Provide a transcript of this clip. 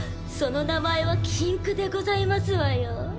その名前は禁句でございますわよ。